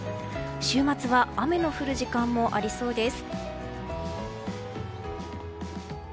週末は雨の降る時間もありそうです。